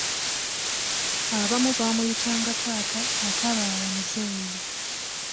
Abamu baamuyitanga taata ate abalala muzeeyi.